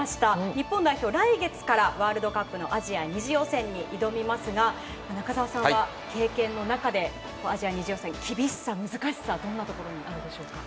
日本代表は来月からワールドカップのアジア２次予選に挑みますが中澤さんは経験の中でアジア２次予選の厳しさ、難しさどんなところになるでしょうか。